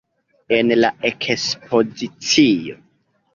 En la ekspozicio.